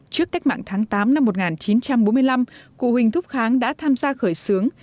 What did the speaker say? trước cách mạng tháng tám năm một nghìn chín trăm bốn mươi năm cụ huỳnh thúc kháng đã tham gia khởi xướng